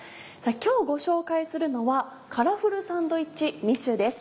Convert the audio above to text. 今日ご紹介するのはカラフルサンドイッチ２種です。